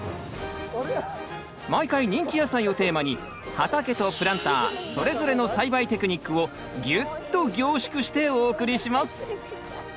毎回人気野菜をテーマに畑とプランターそれぞれの栽培テクニックをぎゅっと凝縮してお送りします。